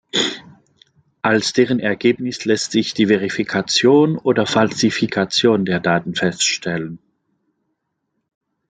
Als deren Ergebnis lässt sich die "Verifikation" oder "Falsifikation" der Daten feststellen.